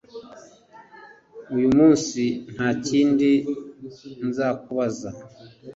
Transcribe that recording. Uyu munsi nta kindi nzakubaza